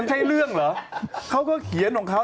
จริง